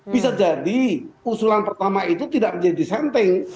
bisa jadi usulan pertama itu tidak menjadi dissenting